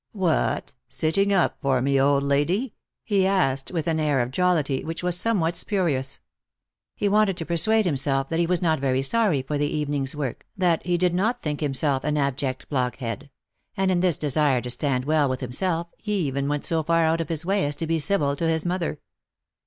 " What, sitting up for me, old lady ?" he asked, with an air of jollity which was somewhat spuriosis. He wanted to per suade himself that he was not sorry for the evening's work, that he did not think himself an abject blockhead ; and in this desire to stand well with himself he even went so far out of his way as to be civil to his mother.